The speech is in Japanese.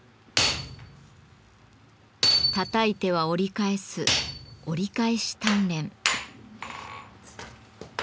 たたいては折り返す「折り返し鍛錬」。